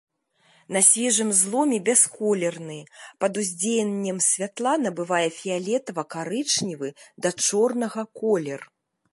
На свежым зломе бясколерны, пад уздзеяннем святла набывае фіялетава-карычневы да чорнага колер.